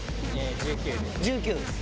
１９です。